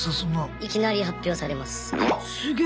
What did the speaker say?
いきなり発表されます。